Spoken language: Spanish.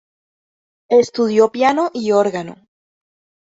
Estudió piano y órgano.